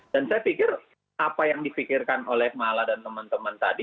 dan saya pikir apa yang dipikirkan oleh mala dan teman teman tadi